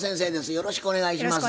よろしくお願いします。